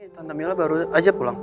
tante mila baru aja pulang